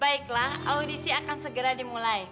baiklah audisi akan segera dimulai